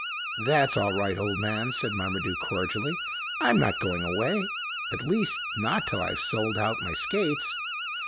"That 's all right, old man," said Marmaduke cordially. "I 'm not going away. At least, not till I Ve sold out my skates.